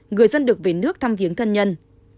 người dân được về nước thăm viếng thân nhân